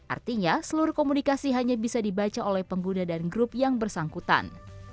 artinya seluruh komunikasi hanya bisa dibaca oleh pengguna dan grup yang bersangkutan